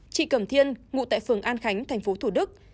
chị cẩm thiên ngụ tại phường an khánh tp thủ đức